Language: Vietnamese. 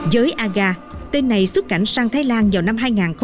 giới aga tên này xuất cảnh sang thái lan vào năm hai nghìn một mươi ba